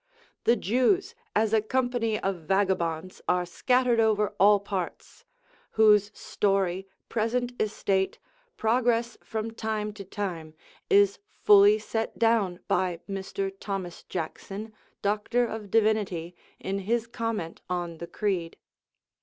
The Jews, as a company of vagabonds, are scattered over all parts; whose story, present estate, progress from time to time, is fully set down by Mr. Thomas Jackson, Doctor of Divinity, in his comment on the creed.